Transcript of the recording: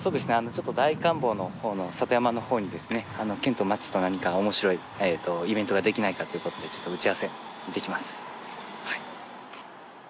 ちょっと大観峯の方の里山の方にですね県と町と何かおもしろいイベントができないかということでちょっと打ち合わせに行ってきます。